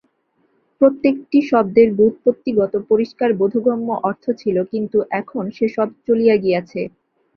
প্রত্যেকটি শব্দের ব্যুৎপত্তিগত পরিষ্কার বোধগম্য অর্থ ছিল, কিন্তু এখন সে-সব চলিয়া গিয়াছে।